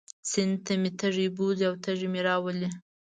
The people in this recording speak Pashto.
سیند ته مې تږی بوځي او تږی مې راولي.